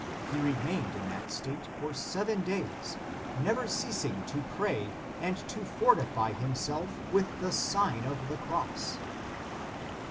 He remained in that state for seven days, never ceasing to pray and to fortify himself with the Sign of the Cross.